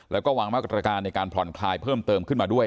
แล้วก็วางมาตรการในการผ่อนคลายเพิ่มเติมขึ้นมาด้วย